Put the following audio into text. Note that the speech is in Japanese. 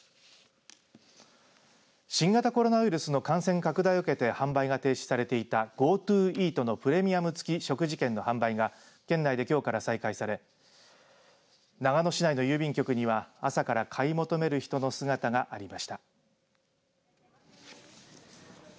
新型コロナウイルスの感染拡大を受けて販売が停止されていたＧｏＴｏイートのプレミアム付き食事券の販売が県内できょうから再開され長野市内の郵便局には朝から買い求める人の姿がありました。